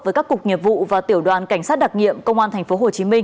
với các cục nhiệm vụ và tiểu đoàn cảnh sát đặc nghiệm công an tp hcm